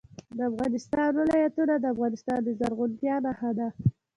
د افغانستان ولايتونه د افغانستان د زرغونتیا نښه ده.